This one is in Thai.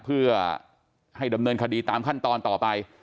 เพื่อให้ดำเนินคดีตามขั้นตอนต่อไป